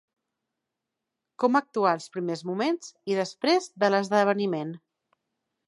Com actuar en els primers moments i després de l'esdeveniment.